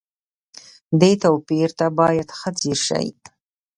دې توپير ته بايد ښه ځير شئ.